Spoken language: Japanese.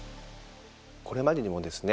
これまでにもですね